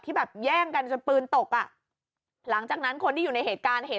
แบบแย่งกันจนปืนตกอ่ะหลังจากนั้นคนที่อยู่ในเหตุการณ์เห็น